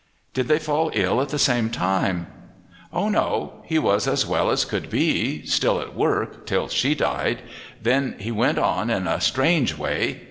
"Did they fall ill at the same time?" "Oh no, he was as well as could be, still at work, till she died, then he went on in a strange way.